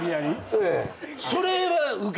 ええ。